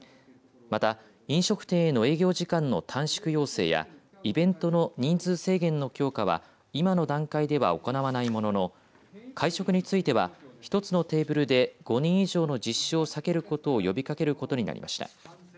また、飲食店への営業時間の短縮要請やイベントの人数制限の強化は今の段階では行わないものの会食については１つのテーブルで５人以上の実施を避けることを呼びかけることになりました。